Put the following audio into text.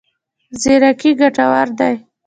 زیرکي ګټور دی.